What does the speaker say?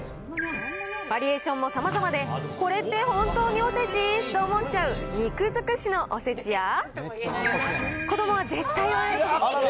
バリエーションもさまざまで、これって本当におせち？と思っちゃう肉尽くしのおせちや、子どもは絶対喜ぶ、すみっコ